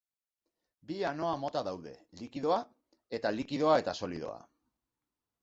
Bi anoa mota daude: likidoa, eta likidoa eta solidoa.